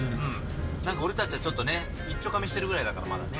なんか俺たちはちょっとね、いっちょかみしてるぐらいだから、まだね。